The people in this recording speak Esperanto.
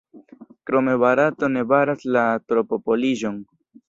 Krome Barato ne baras la tropopoliĝon.